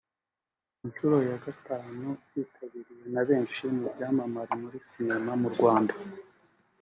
Ku nshuro ya Gatanu byitabiriwe na benshi mu byamamare muri sinema mu Rwanda